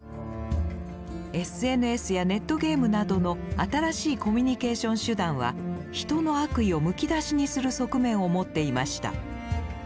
ＳＮＳやネットゲームなどの新しいコミュニケーション手段は人の悪意をむき出しにする側面を持っていました。